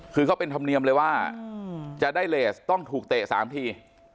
คือเขาเป็นธรรมเนียมเลยว่าจะได้เลสต้องถูกเตะ๓ที